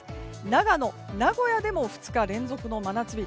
長野、名古屋でも２日連続の真夏日。